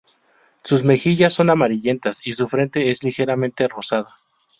Sus mejillas son amarillentas y su frente es ligeramente rosada.